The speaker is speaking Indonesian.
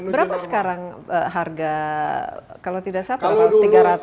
berapa sekarang harga kalau tidak salah tiga ratus empat ratus dolar